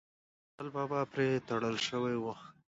چې خوشحال بابا پرې تړل شوی و